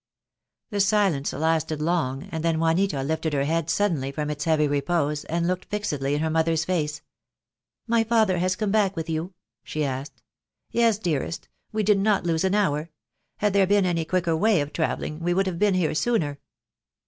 The silence lasted long, and then Juanita lifted her head suddenly from its heavy repose and looked fixedly in her mother's face. "My father has come back with you?" she asked. "Yes, dearest. We did not lose an hour. Had there been any quicker way of travelling we would have been here sooner."